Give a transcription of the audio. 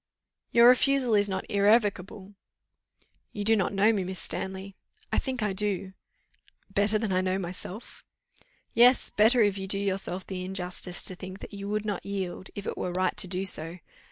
"Your refusal is not irrevocable." "You do not know me, Miss Stanley." "I think I do." "Better than I know myself." "Yes, better, if you do yourself the injustice to think that you would not yield, if it were right to do so.